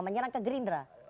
menyerang ke gerindra